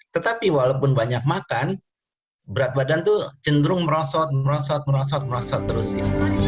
tetapi walaupun banyak makan berat badan tuh cenderung merosot merosot merosot merosot terus ya